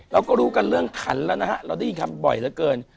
เราก็รู้กันเรื่องขันแล้วนะฮะเราได้ยินคำบ่อยเหลือเกิน